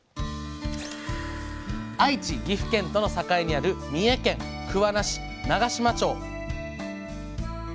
愛知岐阜県との境にある三重県桑名市長島町。